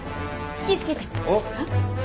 気ぃ付けて。